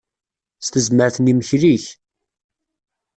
S tezmert n yimekli-ik.